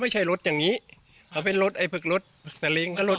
ไม่ใช่รถอย่างนี้เขาเป็นรถไอ้พวกรถสลิงก็รถ